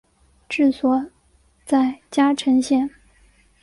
治所在嘉诚县。